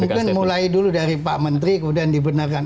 mungkin mulai dulu dari pak menteri kemudian dibenarkan